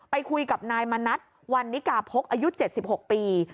ไปคุยกับนายมณัฐวันนิกาพกอายุ๗๖ปี